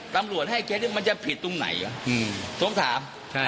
ตำรวจให้เคสนี้มันจะผิดตรงไหนผมถาม